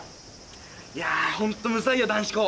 いやぁホントむさいよ男子校。